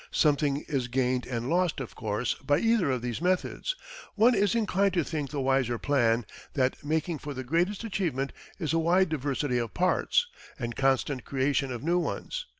Something is gained and lost, of course, by either of these methods; one is inclined to think the wiser plan, that making for the greatest achievement, is a wide diversity of parts, and constant creation of new ones.